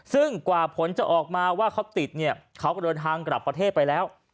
ซึ่งกว่าผลจะออกมาว่าเขาติดเนี่ยเขาก็เดินทางกลับประเทศไปแล้ว